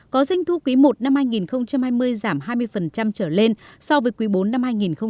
có doanh thu quý một năm hai nghìn hai mươi giảm hai mươi trở lên so với quý bốn năm hai nghìn một mươi chín